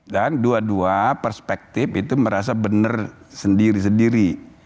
dan dua dua perspektif itu merasa benar sendiri sendiri